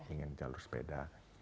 ingin jalur sepeda